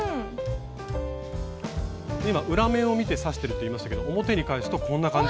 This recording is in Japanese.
今裏面を見て刺してるって言いましたけど表に返すとこんな感じ。